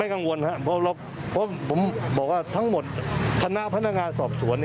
กังวลครับเพราะผมบอกว่าทั้งหมดคณะพนักงานสอบสวน